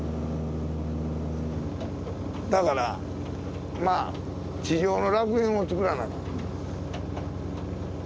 だからまあ地上の楽園をつくらなあかん。